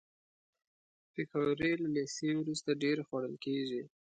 پکورې له لیسې وروسته ډېرې خوړل کېږي